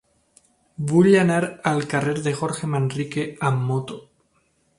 Vull anar al carrer de Jorge Manrique amb moto.